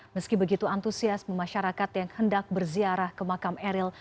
meski begitu antusiasme masyarakat yang hendak berziarah ke makam eril